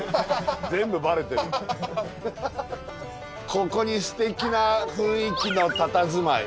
ここにすてきな雰囲気のたたずまい。